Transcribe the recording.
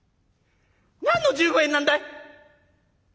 何の１５円なんだい？」。